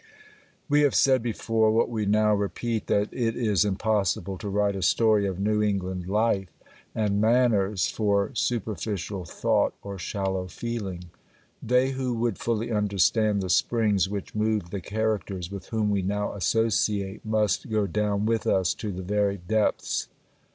WE have said before, what we now repeat, that it is impossible to write a story of New England life and manners for superficial thought or shallow feeling. They who would fully understand the springs which moved the characters with whom we now associate must go down with us to the very depths.